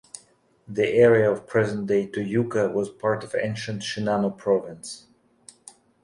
The area of present-day Toyooka was part of ancient Shinano Province.